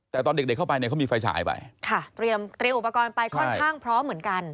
แต่ตอนเด็กเด็กเข้าไปเนี่ยเขามีไฟฉายไปค่ะเตรียมเตรียมอุปกรณ์ไปค่อนข้างพร้อมเหมือนกัน